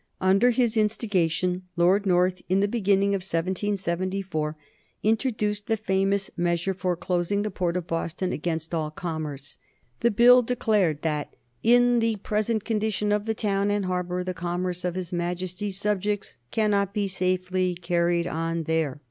Under his instigation Lord North, in the beginning of 1774, introduced the famous measure for closing the port of Boston against all commerce. The Bill declared that "in the present condition of the town and harbor the commerce of his Majesty's subjects cannot be safely carried on there."